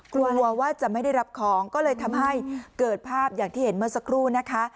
กลัวว่าจะไม่ได้รับของก็เลยทำให้เกิดภาพอย่างที่เห็นเมื่อสักครู่นะคะ